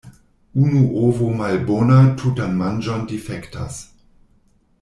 Unu ovo malbona tutan manĝon difektas.